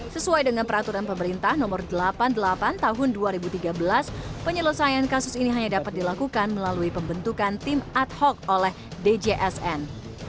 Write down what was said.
sesuai dengan peraturan pemerintah nomor delapan puluh delapan tahun dua ribu tiga belas penyelesaian kasus ini hanya dapat dilakukan melalui pembentukan tim ad hoc oleh djsn